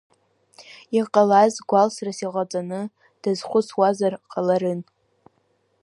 Иҟалаз гәалсрас иҟаҵаны дазхәыцуазар ҟаларын.